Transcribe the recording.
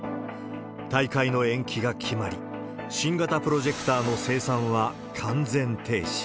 大会の延期が決まり、新型プロジェクターの生産は完全停止。